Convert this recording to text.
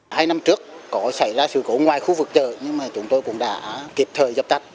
hai năm trước có xảy ra sự cố ngoài khu vực chợ nhưng mà chúng tôi cũng đã kịp thời dập tắt